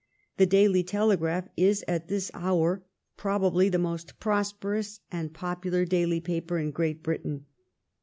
The " Daily Telegraph " is at this hour probably the most prosperous and popular daily paper in Great Britain.